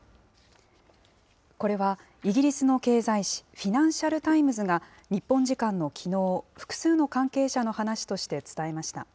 これは、イギリスの経済紙、フィナンシャル・タイムズが、日本時間のきのう、複数の関係者の話として伝えました。